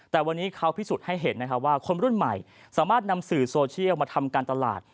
แต่วันนี้เขาพิสูจน์ให้เห็นว่าคนรุ่นใหม่สามารถนำสื่อโซเชียลมาทำการตลาด